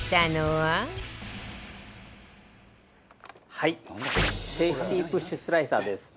はいセーフティープッシュスライサーです。